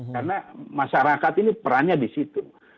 karena masyarakat ini perannya di situ